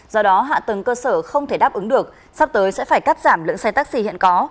do đó hạ tầng cơ sở không thể đáp ứng được sắp tới sẽ phải cắt giảm lượng xe taxi hiện có